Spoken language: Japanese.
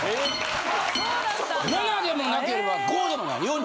７でもなければ５でもない。